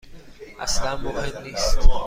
اصلا مهم نیست.